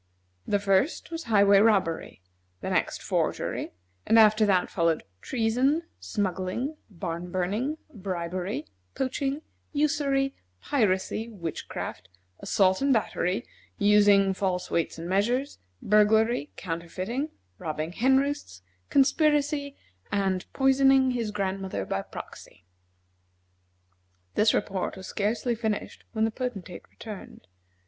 The first was highway robbery, the next forgery, and after that followed treason, smuggling, barn burning, bribery, poaching, usury, piracy, witchcraft, assault and battery, using false weights and measures, burglary, counterfeiting, robbing hen roosts, conspiracy, and poisoning his grandmother by proxy. This report was scarcely finished when the Potentate returned.